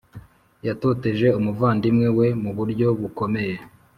yatoteje umuvandimwe we muburyo bukomeye